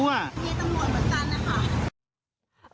มีตำรวจเหมือนกันนะคะ